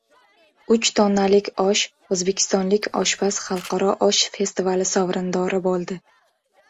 “Uch tonnalik osh”: o‘zbekistonlik oshpaz Xalqaro osh festivali sovrindori bo‘ldi